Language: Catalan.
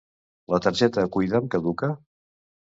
La targeta Cuida'm caduca?